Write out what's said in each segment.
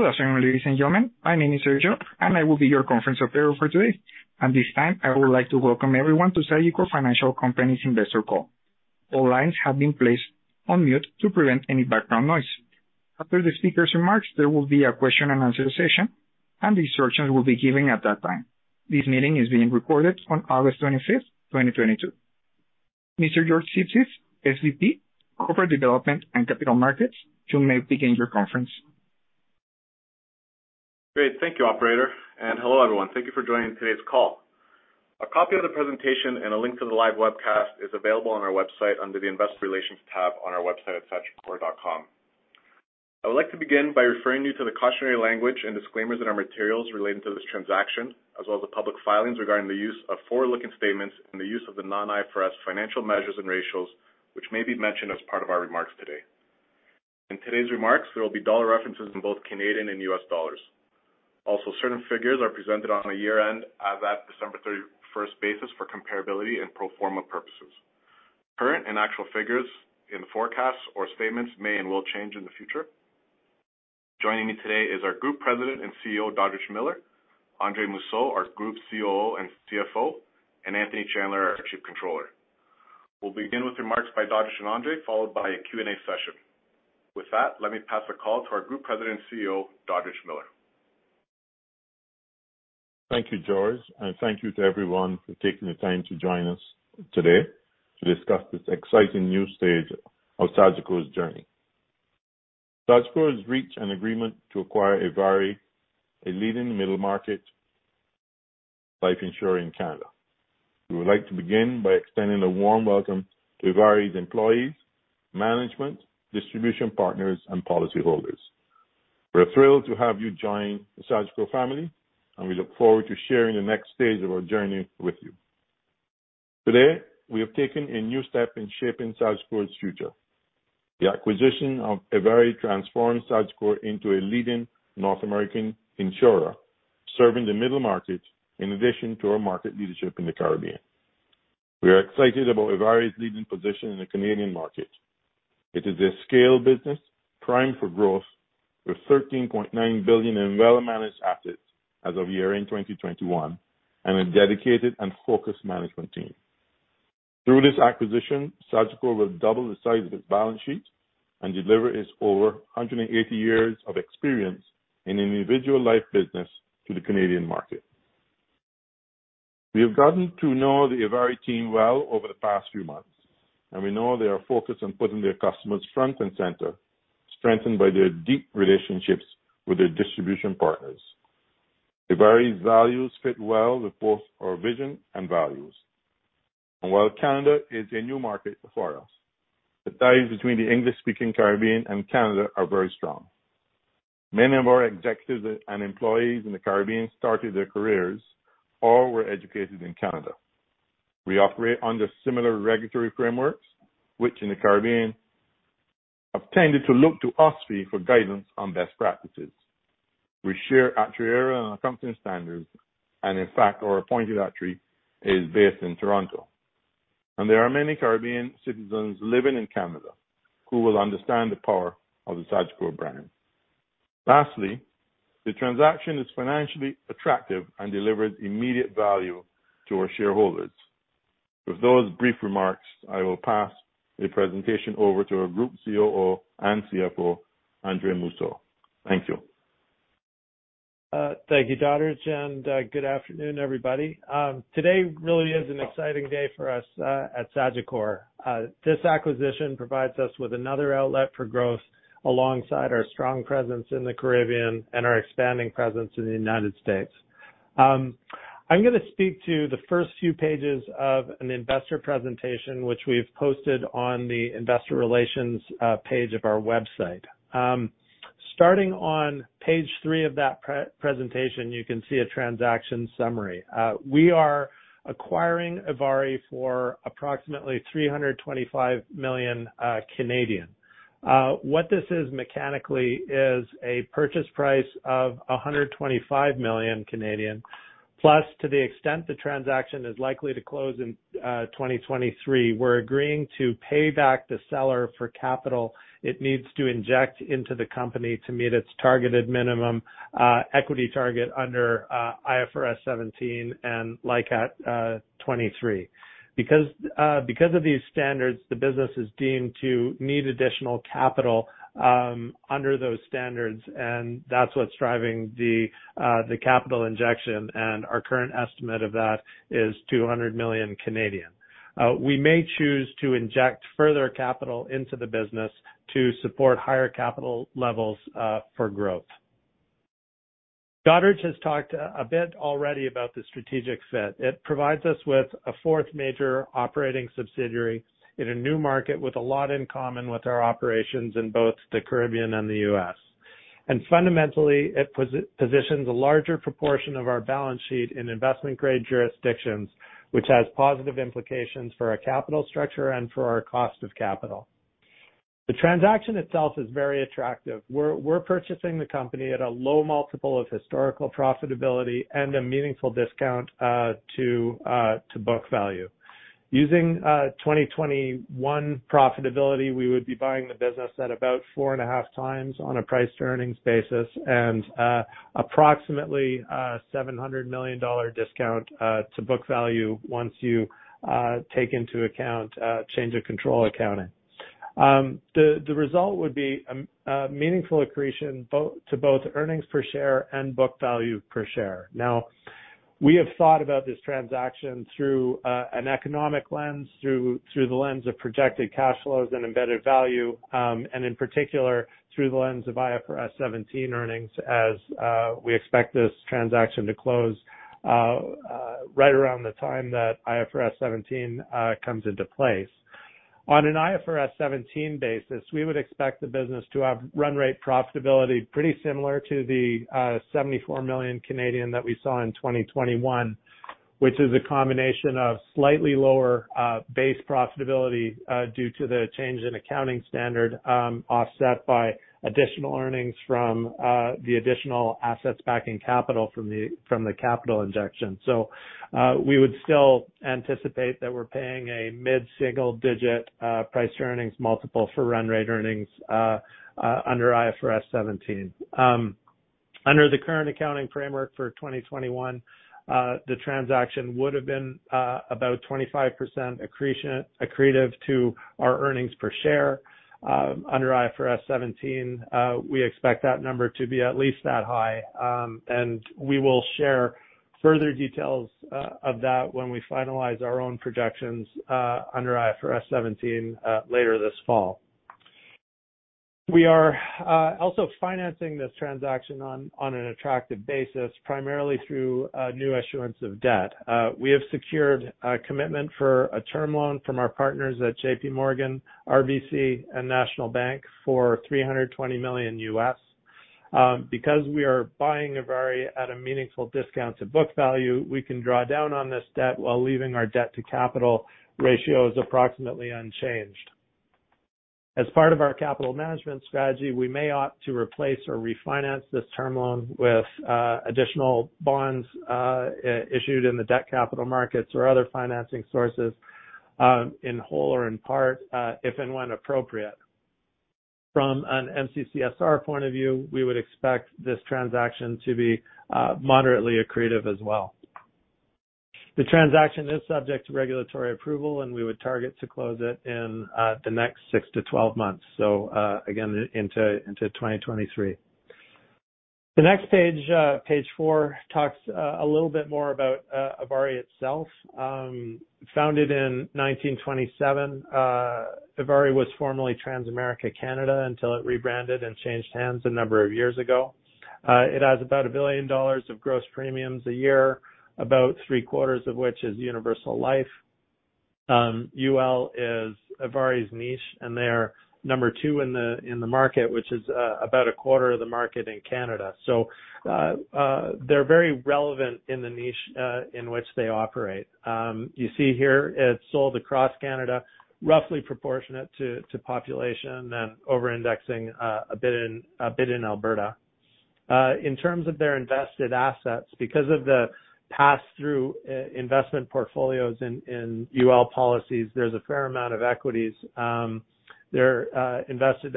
Good afternoon, ladies and gentlemen. My name is Sergio, and I will be your conference operator for today. At this time, I would like to welcome everyone to Sagicor Financial Company Investor Call. All lines have been placed on mute to prevent any background noise. After the speaker's remarks, there will be a question and answer session, and the instructions will be given at that time. This meeting is being recorded on August 25th, 2022. Mr. George Sipsis, SVP, Corporate Development and Capital Markets, you may begin your conference. Great. Thank you, operator, and hello, everyone. Thank you for joining today's call. A copy of the presentation and a link to the live webcast is available on our website under the Investor Relations tab on our website at sagicor.com. I would like to begin by referring you to the cautionary language and disclaimers in our materials relating to this transaction, as well as the public filings regarding the use of forward-looking statements and the use of the non-IFRS financial measures and ratios, which may be mentioned as part of our remarks today. In today's remarks, there will be dollar references in both Canadian and U.S. dollars. Also, certain figures are presented on a year-end as at December 31st basis for comparability and pro forma purposes. Current and actual figures in the forecasts or statements may and will change in the future. Joining me today is our Group President and CEO, Dodridge Miller, Andre Mousseau, our Group COO and CFO, and Anthony Chandler, our Chief Controller. We'll begin with remarks by Dodridge and Andre, followed by a Q&A session. With that, let me pass the call to our Group President and CEO, Dodridge Miller. Thank you, George, and thank you to everyone for taking the time to join us today to discuss this exciting new stage of Sagicor's journey. Sagicor has reached an agreement to acquire ivari, a leading middle market life insurer in Canada. We would like to begin by extending a warm welcome to ivari's employees, management, distribution partners, and policyholders. We're thrilled to have you join the Sagicor family, and we look forward to sharing the next stage of our journey with you. Today, we have taken a new step in shaping Sagicor's future. The acquisition of ivari transforms Sagicor into a leading North American insurer, serving the middle market in addition to our market leadership in the Caribbean. We are excited about ivari's leading position in the Canadian market. It is a scale business primed for growth with $13.9 billion in well-managed assets as of year-end 2021 and a dedicated and focused management team. Through this acquisition, Sagicor will double the size of its balance sheet and deliver its over 180 years of experience in individual life business to the Canadian market. We have gotten to know the ivari team well over the past few months, and we know they are focused on putting their customers front and center, strengthened by their deep relationships with their distribution partners. ivari's values fit well with both our vision and values. While Canada is a new market for us, the ties between the English-speaking Caribbean and Canada are very strong. Many of our executives and employees in the Caribbean started their careers or were educated in Canada. We operate under similar regulatory frameworks, which in the Caribbean have tended to look to OSFI for guidance on best practices. We share actuary and accounting standards, and in fact, our appointed actuary is based in Toronto. There are many Caribbean citizens living in Canada who will understand the power of the Sagicor brand. Lastly, the transaction is financially attractive and delivers immediate value to our shareholders. With those brief remarks, I will pass the presentation over to our Group COO and CFO, Andre Mousseau. Thank you. Thank you, Dodridge, and good afternoon, everybody. Today really is an exciting day for us at Sagicor. This acquisition provides us with another outlet for growth alongside our strong presence in the Caribbean and our expanding presence in the United States. I'm gonna speak to the first few pages of an investor presentation which we've posted on the investor relations page of our website. Starting on page three of that presentation, you can see a transaction summary. We are acquiring ivari for approximately 325 million. What this is mechanically is a purchase price of 125 million, plus to the extent the transaction is likely to close in 2023, we're agreeing to pay back the seller for capital it needs to inject into the company to meet its targeted minimum equity target under IFRS 17 and LICAT 23. Because of these standards, the business is deemed to need additional capital under those standards, and that's what's driving the capital injection. Our current estimate of that is 200 million. We may choose to inject further capital into the business to support higher capital levels for growth. Dodridge has talked a bit already about the strategic fit. It provides us with a fourth major operating subsidiary in a new market with a lot in common with our operations in both the Caribbean and the U.S. Fundamentally, it positions a larger proportion of our balance sheet in investment-grade jurisdictions, which has positive implications for our capital structure and for our cost of capital. The transaction itself is very attractive. We're purchasing the company at a low multiple of historical profitability and a meaningful discount to book value. Using 2021 profitability, we would be buying the business at about 4.5x on a price-to-earnings basis and approximately $700 million discount to book value once you take into account change in control accounting. The result would be a meaningful accretion to both earnings per share and book value per share. Now, we have thought about this transaction through an economic lens, through the lens of projected cash flows and embedded value, and in particular, through the lens of IFRS 17 earnings as we expect this transaction to close right around the time that IFRS 17 comes into place. On an IFRS 17 basis, we would expect the business to have run rate profitability pretty similar to the 74 million that we saw in 2021, which is a combination of slightly lower base profitability due to the change in accounting standard, offset by additional earnings from the additional assets backing capital from the capital injection. We would still anticipate that we're paying a mid-single digit price to earnings multiple for run rate earnings under IFRS 17. Under the current accounting framework for 2021, the transaction would have been about 25% accretive to our earnings per share. Under IFRS 17, we expect that number to be at least that high. We will share further details of that when we finalize our own projections under IFRS 17 later this fall. We are also financing this transaction on an attractive basis, primarily through new issuance of debt. We have secured a commitment for a term loan from our partners at JPMorgan, RBC and National Bank for $320 million. Because we are buying ivari at a meaningful discount to book value, we can draw down on this debt while leaving our debt to capital ratios approximately unchanged. As part of our capital management strategy, we may opt to replace or refinance this term loan with additional bonds issued in the debt capital markets or other financing sources, in whole or in part, if and when appropriate. From an MCCSR point of view, we would expect this transaction to be moderately accretive as well. The transaction is subject to regulatory approval, and we would target to close it in the next 6-12 months, so again, into 2023. The next page four, talks a little bit more about ivari itself. Founded in 1927, ivari was formerly Transamerica Life Canada until it rebranded and changed hands a number of years ago. It has about $1 billion of gross premiums a year, about three-quarters of which is universal life. UL is ivari's niche, and they are number two in the market, which is about a quarter of the market in Canada. They're very relevant in the niche in which they operate. You see here, it's sold across Canada, roughly proportionate to population and over-indexing a bit in Alberta. In terms of their invested assets, because of the pass-through investment portfolios in UL policies, there's a fair amount of equities. Their invested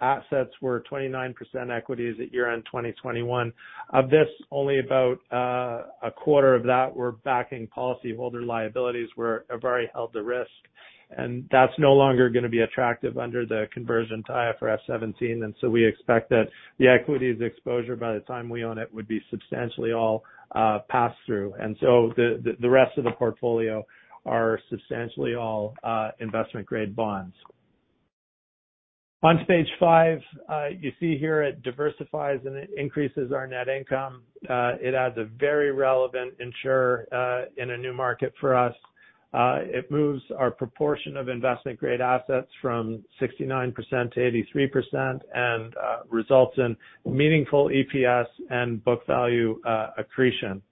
assets were 29% equities at year-end 2021. Of this, only about a quarter of that were backing policyholder liabilities where ivari held the risk, and that's no longer gonna be attractive under the conversion to IFRS 17. We expect that the equities exposure by the time we own it would be substantially all pass through. The rest of the portfolio are substantially all investment-grade bonds. On page five, you see here it diversifies and it increases our net income. It adds a very relevant insurer in a new market for us. It moves our proportion of investment-grade assets from 69% to 83% and results in meaningful EPS and book value accretion.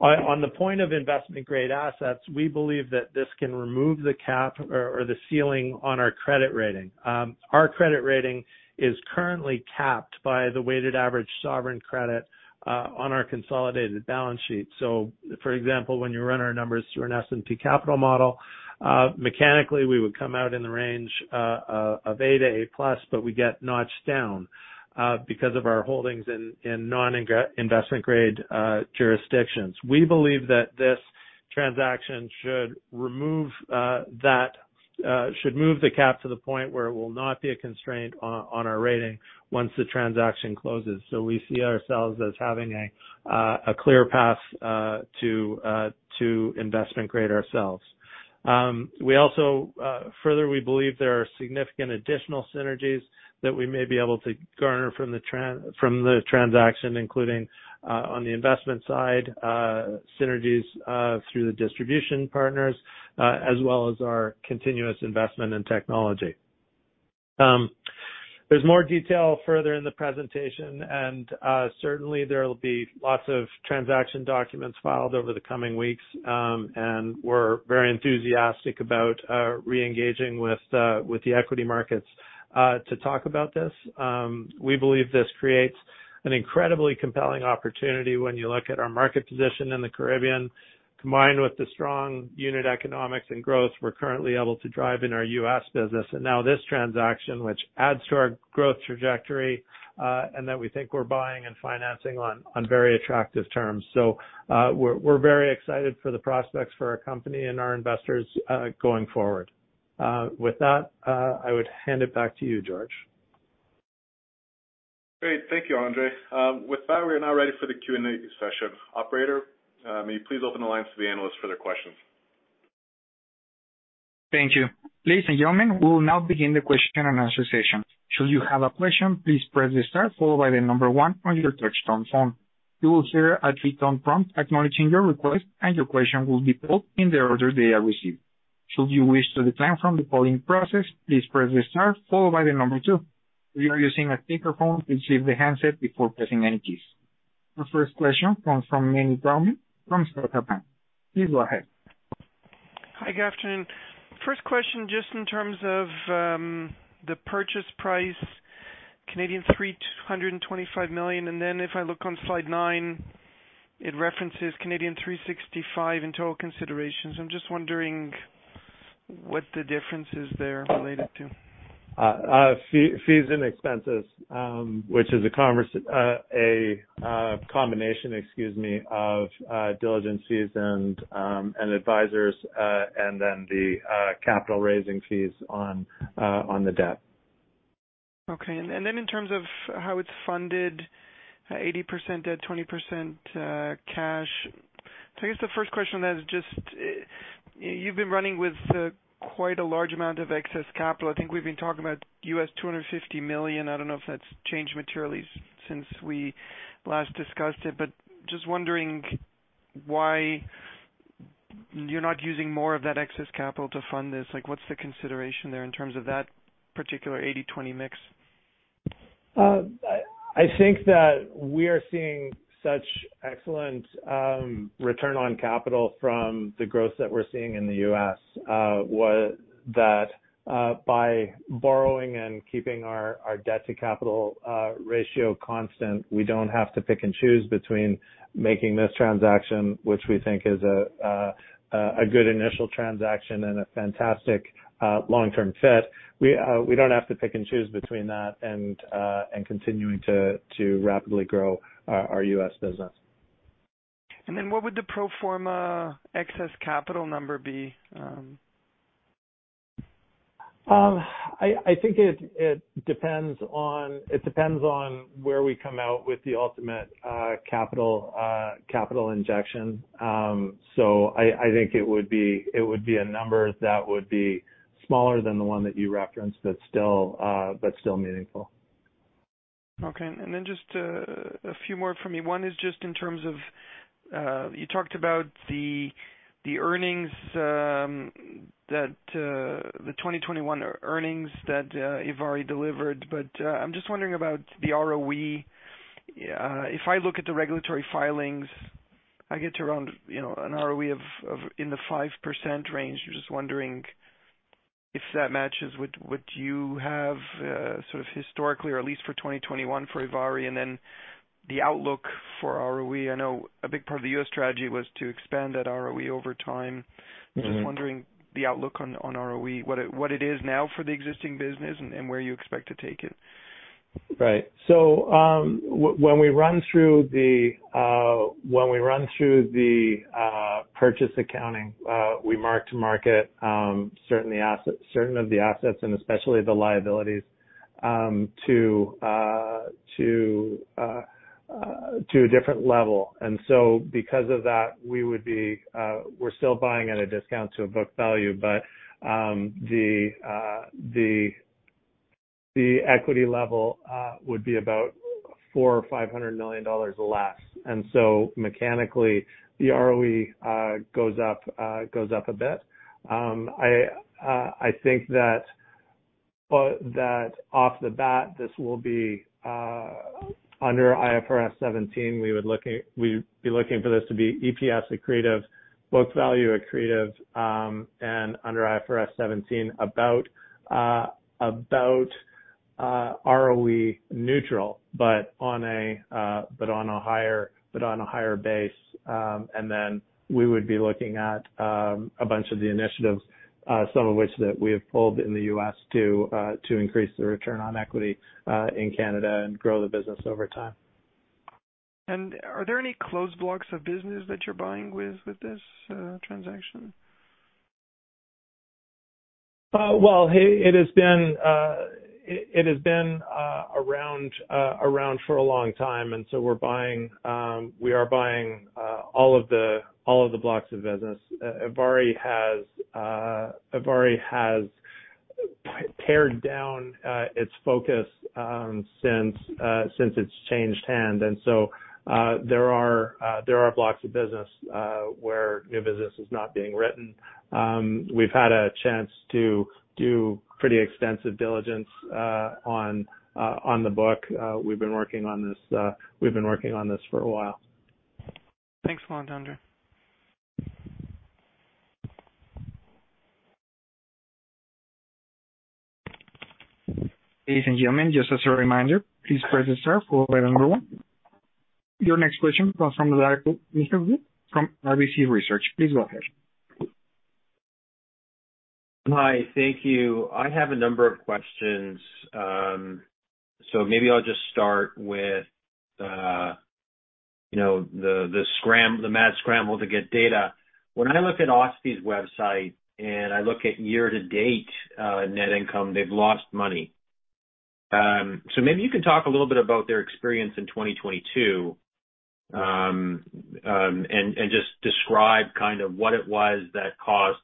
On the point of investment-grade assets, we believe that this can remove the cap or the ceiling on our credit rating. Our credit rating is currently capped by the weighted average sovereign credit on our consolidated balance sheet. For example, when you run our numbers through an S&P capital model, mechanically, we would come out in the range of A to A+, but we get notched down because of our holdings in non-investment grade jurisdictions. We believe that this transaction should move the cap to the point where it will not be a constraint on our rating once the transaction closes. We see ourselves as having a clear path to investment grade ourselves. Further, we believe there are significant additional synergies that we may be able to garner from the transaction, including, on the investment side, synergies, through the distribution partners, as well as our continuous investment in technology. There's more detail further in the presentation and, certainly there will be lots of transaction documents filed over the coming weeks. We're very enthusiastic about, re-engaging with the equity markets, to talk about this. We believe this creates an incredibly compelling opportunity when you look at our market position in the Caribbean, combined with the strong unit economics and growth we're currently able to drive in our U.S. business. Now this transaction, which adds to our growth trajectory, and that we think we're buying and financing on very attractive terms. We're very excited for the prospects for our company and our investors, going forward. With that, I would hand it back to you, George. Great. Thank you, Andre. With that, we are now ready for the Q&A session. Operator, may you please open the lines to the analyst for their questions. Thank you. Ladies and gentlemen, we'll now begin the question and answer session. Should you have a question, please press star followed by the number one on your touchtone phone. You will hear a three-tone prompt acknowledging your request, and your question will be pulled in the order they are received. Should you wish to decline from the polling process, please press the star followed by the number two. If you are using a speakerphone, please lift the handset before pressing any keys. The first question comes from Meny Grauman from Scotiabank. Please go ahead. Hi, good afternoon. First question, just in terms of the purchase price, 325 million, and then if I look on slide nine, it references 365 million in total considerations. I'm just wondering what the difference is there related to. Fees and expenses, which is a combination, excuse me, of due diligence fees and advisory fees, and then the capital raising fees on the debt. Okay. Then in terms of how it's funded, 80% debt, 20% cash. I guess the first question on that is just, you've been running with quite a large amount of excess capital. I think we've been talking about $250 million. I don't know if that's changed materially since we last discussed it, but just wondering why you're not using more of that excess capital to fund this. Like, what's the consideration there in terms of that particular 80%-20% mix? I think that we are seeing such excellent return on capital from the growth that we're seeing in the U.S. By borrowing and keeping our debt to capital ratio constant, we don't have to pick and choose between making this transaction, which we think is a good initial transaction and a fantastic long-term fit. We don't have to pick and choose between that and continuing to rapidly grow our U.S. business. What would the pro forma excess capital number be? I think it depends on where we come out with the ultimate capital injection. I think it would be a number that would be smaller than the one that you referenced, but still meaningful. Okay. Just a few more from me. One is just in terms of you talked about the earnings that the 2021 earnings that ivari delivered, but I'm just wondering about the ROE. If I look at the regulatory filings, I get to around an ROE of in the 5% range. Just wondering if that matches what you have sort of historically or at least for 2021 for ivari, then the outlook for ROE. I know a big part of the U.S. strategy was to expand that ROE over time. Mm-hmm. Just wondering the outlook on ROE, what it is now for the existing business and where you expect to take it? Right. When we run through the purchase accounting, we mark to market certain of the assets and especially the liabilities to a different level. Because of that, we're still buying at a discount to book value. The equity level would be about $400-$500 million less. Mechanically, the ROE goes up a bit. I think that off the bat, this will be under IFRS 17. We'd be looking for this to be EPS accretive, book value accretive, and under IFRS 17 about ROE neutral, but on a higher base. We would be looking at a bunch of the initiatives, some of which that we have pulled in the U.S. to increase the return on equity in Canada and grow the business over time. Are there any closed blocks of business that you're buying with this transaction? Well, it has been around for a long time, and so we're buying all of the blocks of business. ivari has pared down its focus since it's changed hands. There are blocks of business where new business is not being written. We've had a chance to do pretty extensive diligence on the book. We've been working on this for a while. Thanks a lot, Andre. Ladies and gentlemen, just as a reminder, please press star for further inquiry. Your next question comes from the line of Mr. Darko Mihelic from RBC Capital Markets. Please go ahead. Hi. Thank you. I have a number of questions. Maybe I'll just start with, you know, the mad scramble to get data. When I look at OSFI's website and I look at year-to-date net income, they've lost money. Maybe you can talk a little bit about their experience in 2022 and just describe kind of what it was that caused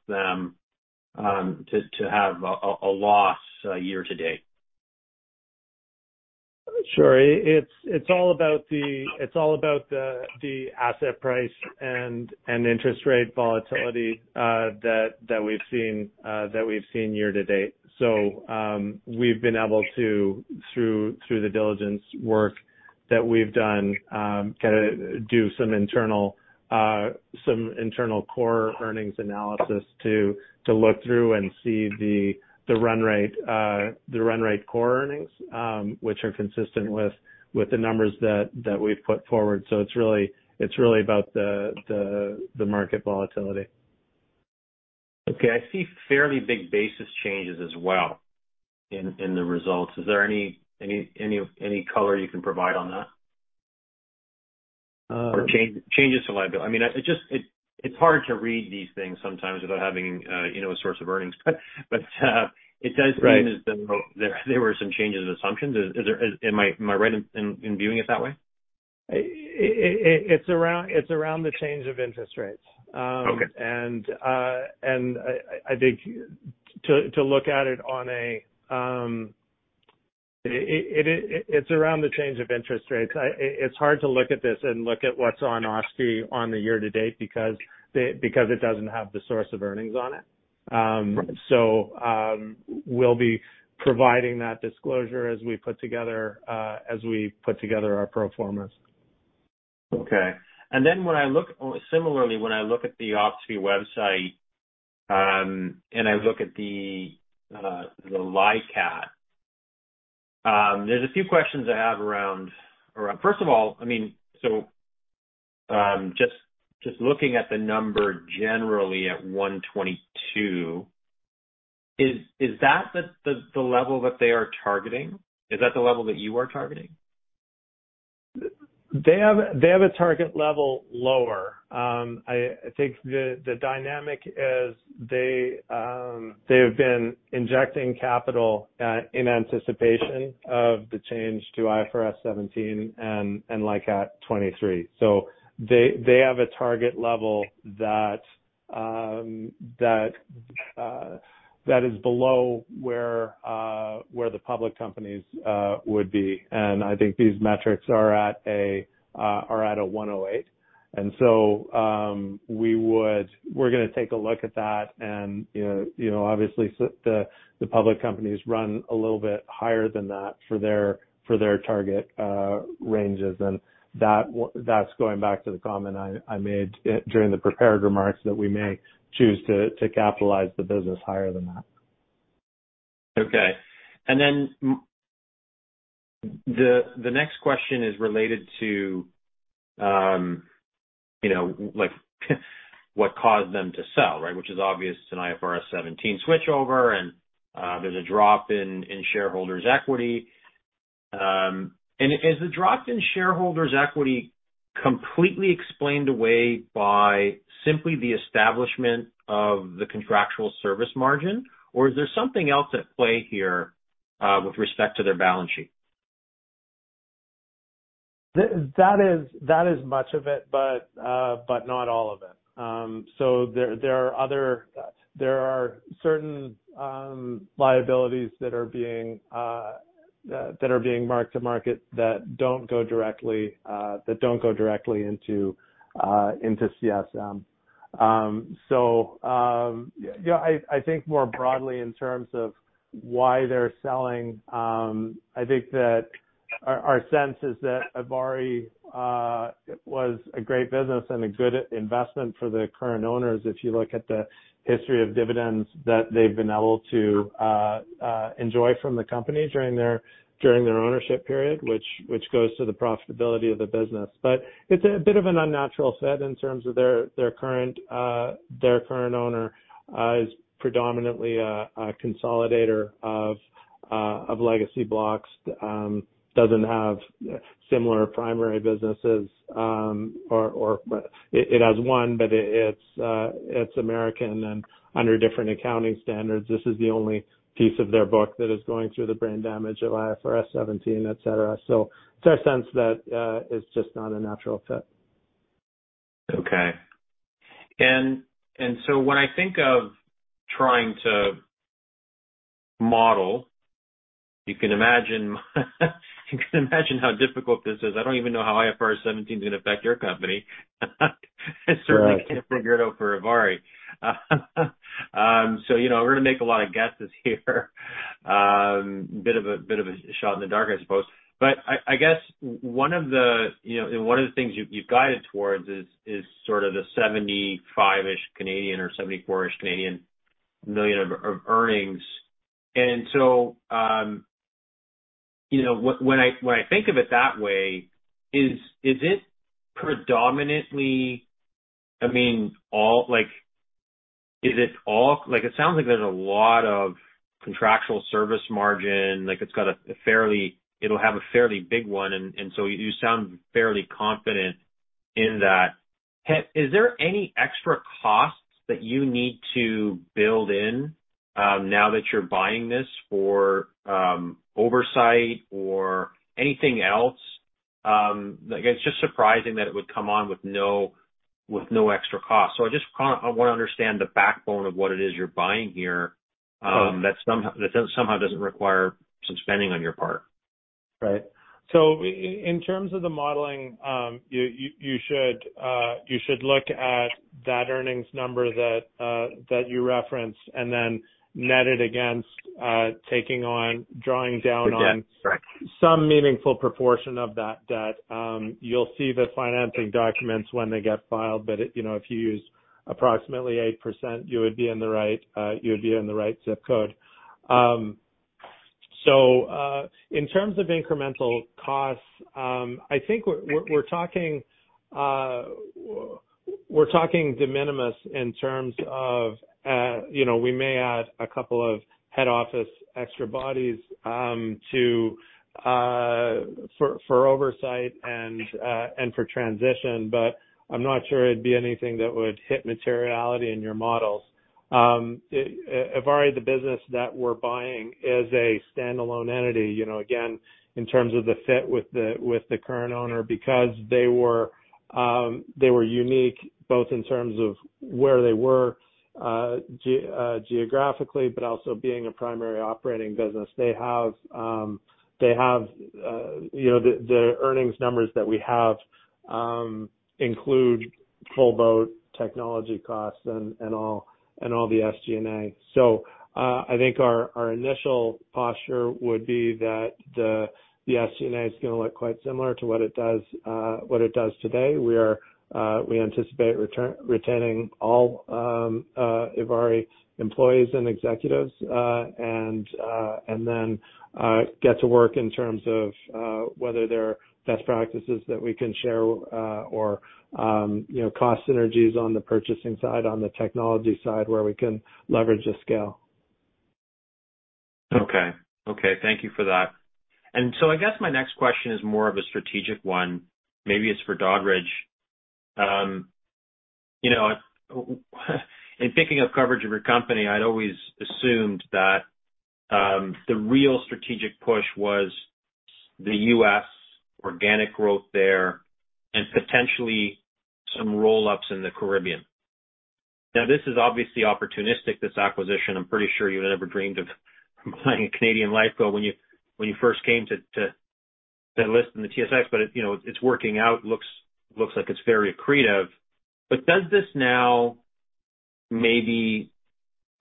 them to have a loss year to date. Sure. It's all about the asset price and interest rate volatility that we've seen year to date. We've been able to, through the diligence work that we've done, kinda do some internal core earnings analysis to look through and see the run rate core earnings, which are consistent with the numbers that we've put forward. It's really about the market volatility. Okay. I see fairly big basis changes as well in the results. Is there any color you can provide on that? Uh Changes to liability. I mean, it just, it's hard to read these things sometimes without having, you know, a source of earnings. But it does seem. Right. As though there were some changes in assumptions. Is there? Am I right in viewing it that way? It's around the change of interest rates. Okay. I think to look at it on a, it's around the change of interest rates. It's hard to look at this and look at what's on OSFI on the year to date because it doesn't have the source of earnings on it. Right. We'll be providing that disclosure as we put together our pro formas. Okay. Then when I look similarly, when I look at the OSFI website, and I look at the LICAT, there's a few questions I have around. First of all, I mean, just looking at the number generally at 122%, is that the level that they are targeting? Is that the level that you are targeting? They have a target level lower. I think the dynamic is they have been injecting capital in anticipation of the change to IFRS 17 and LICAT 23. They have a target level that is below where the public companies would be. I think these metrics are at 108%. We're gonna take a look at that. You know, obviously the public companies run a little bit higher than that for their target ranges. That's going back to the comment I made during the prepared remarks that we may choose to capitalize the business higher than that. The next question is related to, you know, like, what caused them to sell, right? Which is obvious it's an IFRS 17 switchover and there's a drop in shareholders' equity. Is the drop in shareholders' equity completely explained away by simply the establishment of the contractual service margin, or is there something else at play here, with respect to their balance sheet? That is much of it but not all of it. There are certain liabilities that are being marked to market that don't go directly into CSM. I think more broadly in terms of why they're selling, I think that our sense is that ivari was a great business and a good investment for the current owners if you look at the history of dividends that they've been able to enjoy from the company during their ownership period, which goes to the profitability of the business. It's a bit of an unnatural fit in terms of their current owner is predominantly a consolidator of legacy blocks. Doesn't have similar primary businesses, or it has one, but it's American and under different accounting standards. This is the only piece of their book that is going through the brain damage of IFRS 17, et cetera. It's our sense that it's just not a natural fit. Okay. When I think of trying to model, you can imagine how difficult this is. I don't even know how IFRS 17 is gonna affect your company. I certainly can't figure it out for ivari. You know, we're gonna make a lot of guesses here. A bit of a shot in the dark, I suppose. I guess one of the, you know, one of the things you've guided towards is sort of the 75-ish CAD or 74-ish million of earnings. You know, when I think of it that way, is it predominantly, I mean, all like. Is it all. Like, it sounds like there's a lot of contractual service margin. Like, it's got a fairly. It'll have a fairly big one, and so you sound fairly confident in that. Is there any extra costs that you need to build in, now that you're buying this for oversight or anything else? Like, it's just surprising that it would come in with no extra cost. I just kinda, I wanna understand the backbone of what it is you're buying here, that somehow doesn't require some spending on your part. Right. In terms of the modeling, you should look at that earnings number that you referenced and then net it against taking on, drawing down on Again. Right. Some meaningful proportion of that debt. You'll see the financing documents when they get filed. You know, if you use approximately 8%, you would be in the right zip code. In terms of incremental costs, I think we're talking de minimis in terms of you know we may add a couple of head office extra bodies to for oversight and for transition. I'm not sure it'd be anything that would hit materiality in your models. ivari, the business that we're buying is a standalone entity, you know, again, in terms of the fit with the current owner, because they were unique, both in terms of where they were geographically, but also being a primary operating business. They have, you know, the earnings numbers that we have include full-blown technology costs and all the SG&A. I think our initial posture would be that the SG&A is gonna look quite similar to what it does today. We are, we anticipate retaining all ivari employees and executives, and then get to work in terms of whether there are best practices that we can share, or you know, cost synergies on the purchasing side, on the technology side, where we can leverage the scale. Okay. Okay, thank you for that. I guess my next question is more of a strategic one. Maybe it's for Dodridge. You know, in thinking of coverage of your company, I'd always assumed that the real strategic push was the U.S. organic growth there and potentially some roll-ups in the Caribbean. Now, this is obviously opportunistic, this acquisition. I'm pretty sure you never dreamed of buying a Canadian life co when you first came to the listing in the TSX, but you know, it's working out. Looks like it's very accretive. Does this now maybe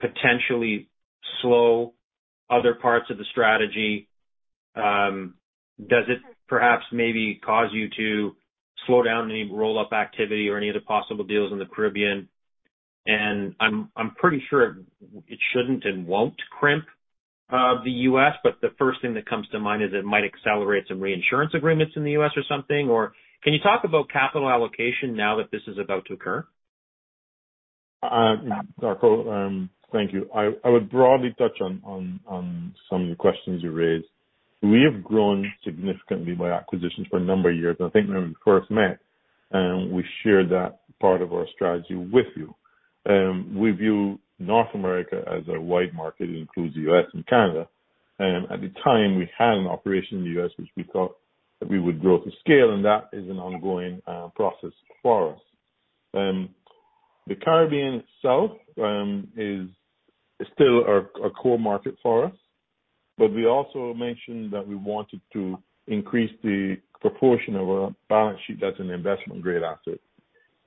potentially slow other parts of the strategy? Does it perhaps maybe cause you to slow down any roll-up activity or any other possible deals in the Caribbean? I'm pretty sure it shouldn't, and won't crimp the U.S., but the first thing that comes to mind is it might accelerate some reinsurance agreements in the U.S. or something. Can you talk about capital allocation now that this is about to occur? Darko, thank you. I would broadly touch on some of the questions you raised. We have grown significantly by acquisitions for a number of years. I think when we first met, we shared that part of our strategy with you. We view North America as a wide market. It includes the U.S. and Canada. At the time, we had an operation in the U.S. which we thought that we would grow to scale, and that is an ongoing process for us. The Caribbean itself is still a core market for us. We also mentioned that we wanted to increase the proportion of our balance sheet. That's an investment grade asset,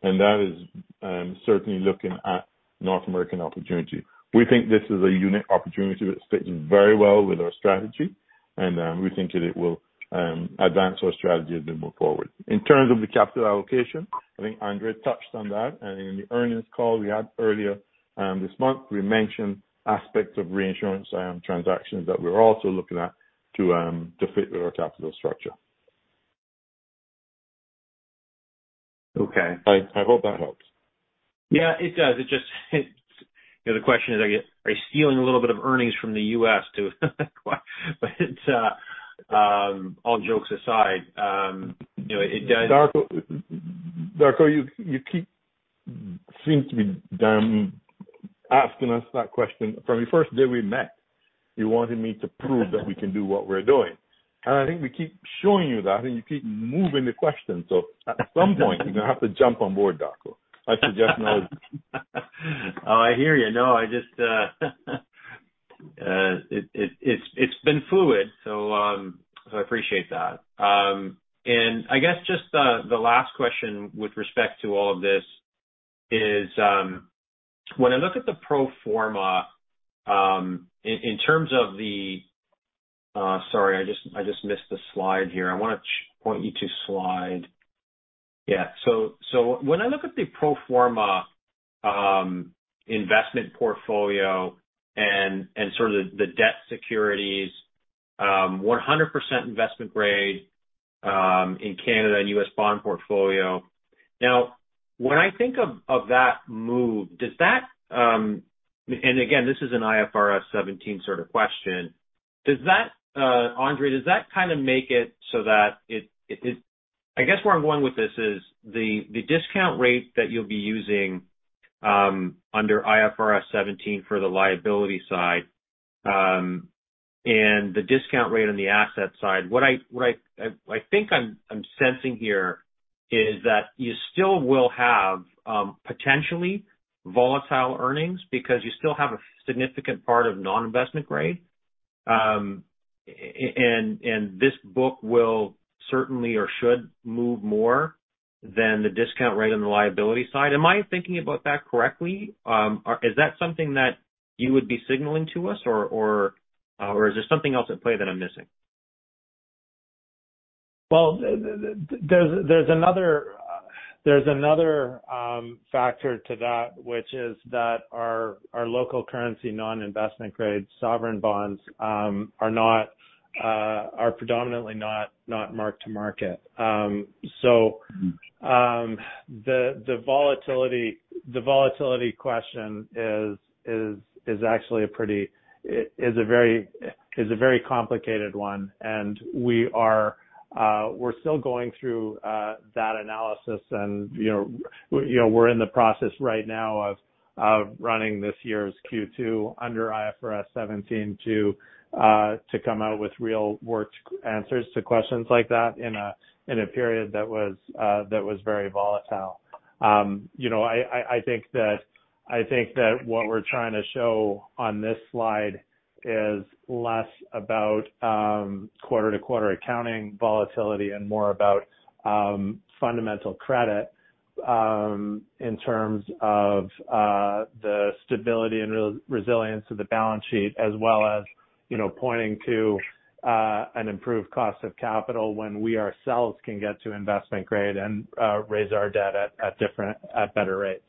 and that is certainly looking at North American opportunity. We think this is a unique opportunity that's fitting very well with our strategy. We think that it will advance our strategy as we move forward. In terms of the capital allocation, I think Andre touched on that. In the earnings call we had earlier this month, we mentioned aspects of reinsurance transactions that we're also looking at to fit with our capital structure. Okay. I hope that helps. Yeah, it does. You know, the question is, are you stealing a little bit of earnings from the U.S. All jokes aside, you know, it does. Darko, you keep seeming to be asking us that question. From the first day we met, you wanted me to prove that we can do what we're doing. I think we keep showing you that, and you keep moving the question. At some point, you're gonna have to jump on board, Darko. I suggest now is the time. Oh, I hear you. No, it's been fluid, so I appreciate that. I guess just the last question with respect to all of this is when I look at the pro forma in terms of the. Sorry, I just missed the slide here. I want to point you to slide. Yeah. When I look at the pro forma investment portfolio and sort of the debt securities, 100% investment grade in Canadian and U.S. bond portfolio. Now, when I think of that move, does that. Again, this is an IFRS 17 sort of question. Does that, Andre, does that kinda make it so that I guess where I'm going with this is the discount rate that you'll be using under IFRS 17 for the liability side, and the discount rate on the asset side. What I think I'm sensing here is that you still will have potentially volatile earnings because you still have a significant part of non-investment grade. And this book will certainly or should move more than the discount rate on the liability side. Am I thinking about that correctly? Or is that something that you would be signaling to us or is there something else at play that I'm missing? Well, there's another factor to that, which is that our local currency non-investment-grade sovereign bonds are predominantly not mark-to-market. Mm-hmm. The volatility question is actually a very complicated one, and we're still going through that analysis and, you know, we're in the process right now of running this year's Q2 under IFRS 17 to come out with real worked answers to questions like that in a period that was very volatile. You know, I think that what we're trying to show on this slide is less about quarter-to-quarter accounting volatility and more about fundamental credit in terms of the stability and resilience of the balance sheet, as well as, you know, pointing to an improved cost of capital when we ourselves can get to investment grade and raise our debt at better rates.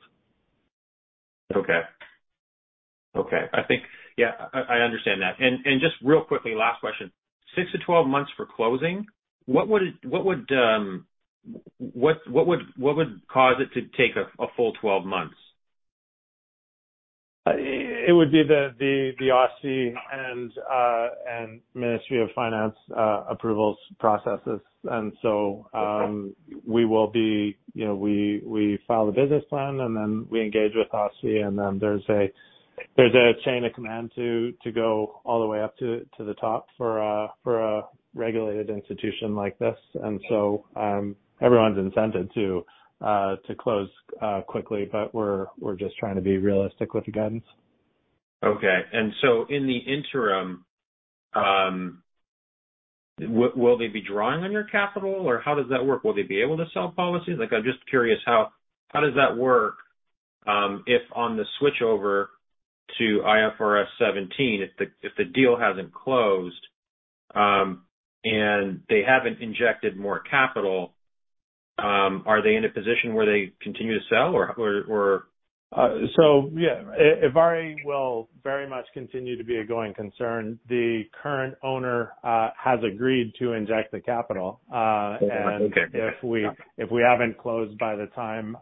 Okay. I think, yeah, I understand that. Just real quickly, last question. 6-12 months for closing, what would cause it to take a full 12 months? It would be the OSFI and Ministry of Finance approvals processes. Okay. We will be, you know, we file the business plan, and then we engage with OSFI, and then there's a chain of command to go all the way up to the top for a regulated institution like this. Everyone's incented to close quickly, but we're just trying to be realistic with the guidance. Okay. In the interim, will they be drawing on your capital or how does that work? Will they be able to sell policies? Like, I'm just curious how does that work, if on the switchover to IFRS 17 if the deal hasn't closed, and they haven't injected more capital, are they in a position where they continue to sell or? Yeah. ivari will very much continue to be a going concern. The current owner has agreed to inject the capital. Okay. If we haven't closed by the time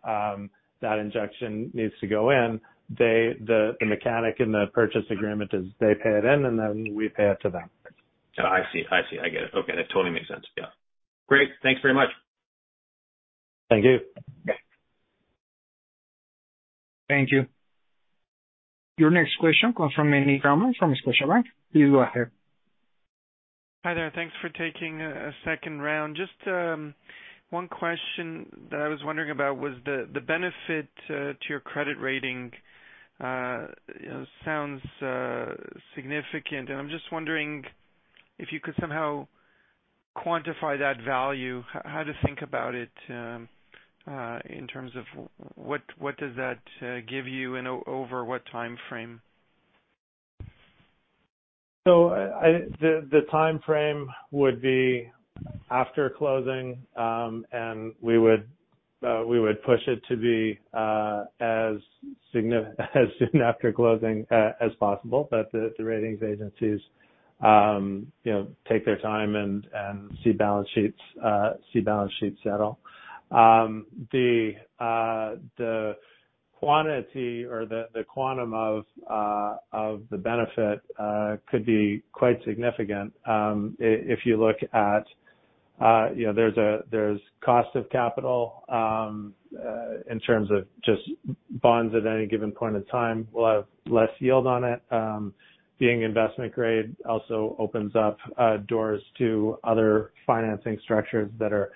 that injection needs to go in, the mechanic in the purchase agreement is they pay it in, and then we pay it to them. I see. I get it. Okay. That totally makes sense. Yeah. Great. Thanks very much. Thank you. Yeah. Thank you. Your next question comes from Meny Grauman from Scotiabank. Please go ahead. Hi there. Thanks for taking a second round. Just one question that I was wondering about was the benefit to your credit rating, you know, sounds significant. I'm just wondering if you could somehow quantify that value, how to think about it, in terms of what does that give you and over what timeframe? The timeframe would be after closing, and we would push it to be as soon after closing as possible. But the rating agencies, you know, take their time and see balance sheets settle. The quantity or the quantum of the benefit could be quite significant. If you look at, you know, there's a cost of capital in terms of just bonds at any given point in time will have less yield on it. Being investment grade also opens up doors to other financing structures that are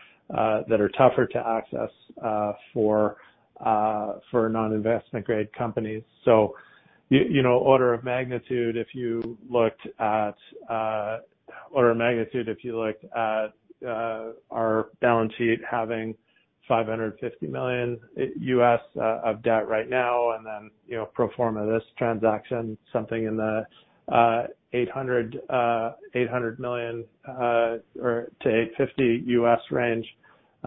tougher to access for non-investment grade companies. You know, order of magnitude, if you looked at our balance sheet having $550 million of debt right now, and then, you know, pro forma this transaction, something in the $800 million to $850 range.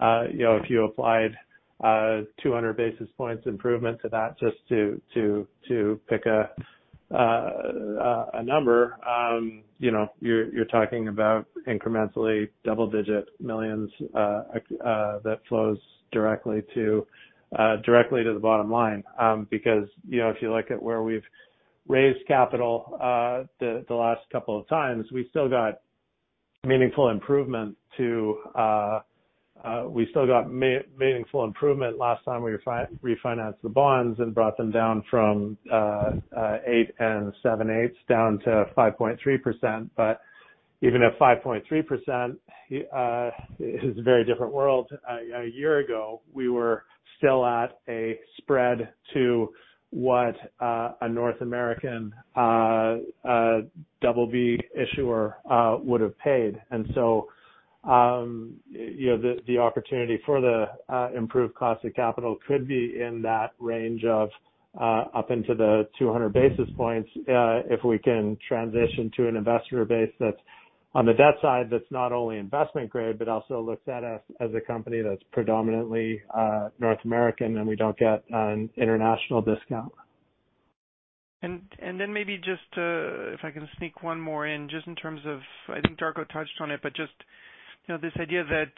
You know, if you applied 200 basis points improvement to that just to pick a number, you know, you're talking about incrementally double-digit millions that flows directly to the bottom line. Because, you know, if you look at where we've raised capital, the last couple of times, we still got meaningful improvement last time we refinanced the bonds and brought them down from 8.875% down to 5.3%. Even at 5.3%, it's a very different world. A year ago, we were still at a spread to what a North American double B issuer would have paid. You know, the opportunity for the improved cost of capital could be in that range of up into the 200 basis points, if we can transition to an investor base that's on the debt side that's not only investment grade, but also looks at us as a company that's predominantly North American, and we don't get an international discount. Then maybe just to if I can sneak one more in, just in terms of, I think Darko touched on it, but just, you know, this idea that,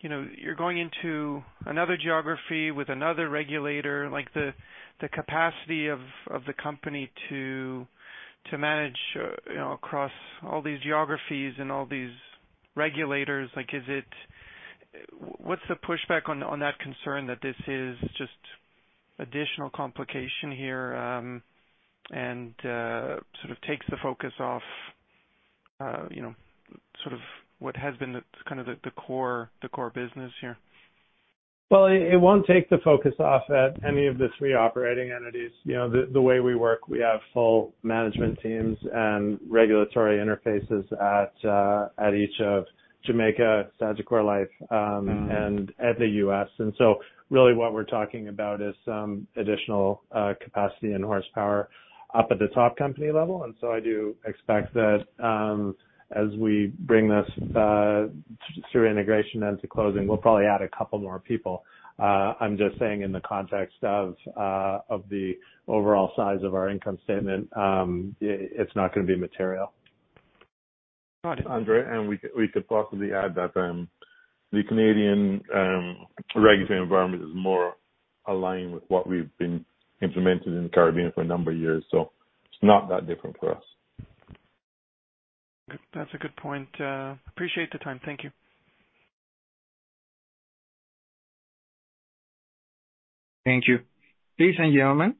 you know, you're going into another geography with another regulator, like the capacity of the company to manage, you know, across all these geographies and all these regulators, like what's the pushback on that concern that this is just additional complication here, and sort of takes the focus off, you know, sort of what has been the kind of the core business here? Well, it won't take the focus off at any of the three operating entities. You know, the way we work, we have full management teams and regulatory interfaces at each of Jamaica, Sagicor Life. Mm-hmm. At the U.S., really what we're talking about is some additional capacity and horsepower up at the top company level. I do expect that, as we bring this through integration and to closing, we'll probably add a couple more people. I'm just saying in the context of the overall size of our income statement, it's not gonna be material. Got it. Andre, we could possibly add that the Canadian regulatory environment is more aligned with what we've been implementing in the Caribbean for a number of years. It's not that different for us. Good. That's a good point. Appreciate the time. Thank you. Thank you. Ladies and gentlemen,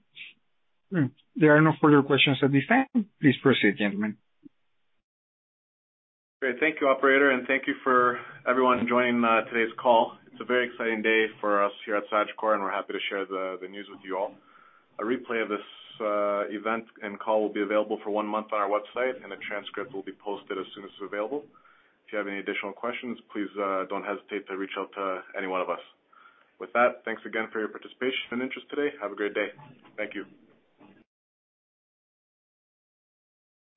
there are no further questions at this time. Please proceed, gentlemen. Great. Thank you, operator. Thank you for everyone joining today's call. It's a very exciting day for us here at Sagicor, and we're happy to share the news with you all. A replay of this event and call will be available for one month on our website, and a transcript will be posted as soon as available. If you have any additional questions, please don't hesitate to reach out to any one of us. With that, thanks again for your participation and interest today. Have a great day. Thank you.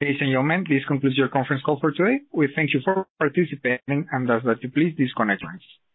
Ladies and gentlemen, this concludes your conference call for today. We thank you for participating and ask that you please disconnect lines.